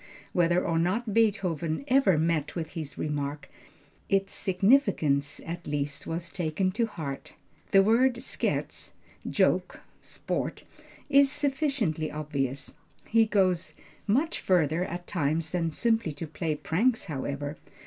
Whether or not Beethoven ever met with this remark, its significance at least was taken to heart. The word Scherz joke, sport, is sufficiently obvious. He goes much farther at times than simply to play pranks, however.